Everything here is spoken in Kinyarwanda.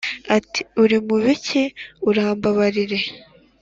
ati"uri mubiki urambabarire"